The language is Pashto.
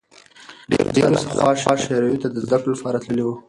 ډېر استادان پخوا شوروي ته د زدکړو لپاره تللي وو.